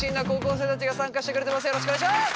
よろしくお願いします！